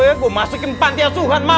saya masukkan panti asuhan mas